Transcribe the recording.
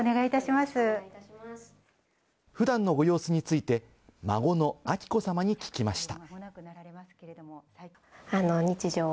普段のご様子について、孫の彬子さまに聞きました。